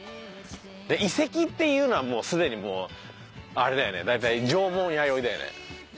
遺跡っていうのはもうすでにあれだよね大体縄文弥生だよね。